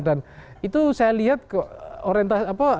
dan itu saya lihat orientasi apa